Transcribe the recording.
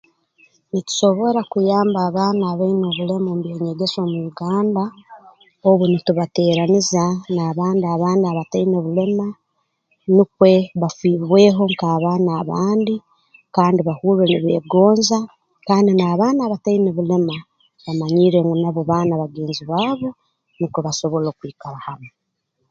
Nitusobora kuyamba abaana abaine obulema omu by'enyegesa omu Uganda obu nitubateeraniza n'abandi abaana abataine bulema nukwe bafiibweho nk'abaana abandi kandi bahurre nibeegonza kandi n'abaana abataine bulema bamanyirre ngu nabo baana bagenzi baabo nukwo basobole okwikara hamu